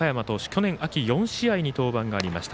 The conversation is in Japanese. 去年秋にも登板がありました。